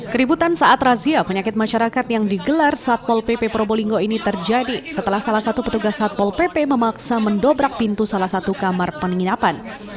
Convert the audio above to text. keributan saat razia penyakit masyarakat yang digelar satpol pp probolinggo ini terjadi setelah salah satu petugas satpol pp memaksa mendobrak pintu salah satu kamar penginapan